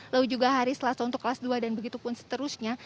lalu juga hari selasa untuk kelas dua dan begitu pun seterusnya